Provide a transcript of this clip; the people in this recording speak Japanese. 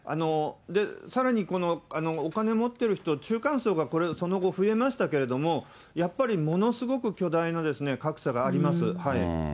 さらにこのお金持っている人、中間層がその後、増えましたけども、やっぱりものすごく巨大な格差があります。